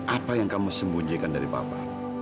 apa yang kamu sembunyikan dari bapak